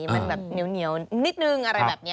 มันแบบเหนียวนิดนึงอะไรแบบนี้